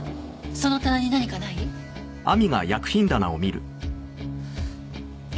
その棚に何かない？